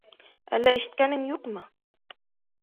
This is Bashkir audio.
Әллә ишеткәнең юҡмы?